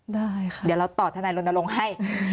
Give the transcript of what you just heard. ได้ค่ะเดี๋ยวเราตอบท่านไหนลงให้